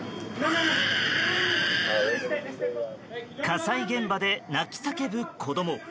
火災現場で泣き叫ぶ子供。